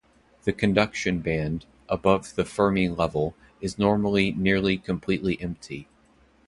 The conduction band, above the Fermi level, is normally nearly completely empty.